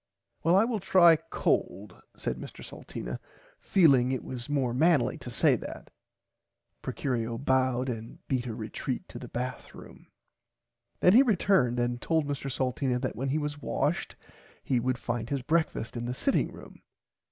Well I will try cold said Mr Salteena feeling it was more manly to say that. Procurio bowed and beat a retreat to the bath room. Then he returned and told Mr. Salteena that when he was washed he would find his breakfast in the sitting room.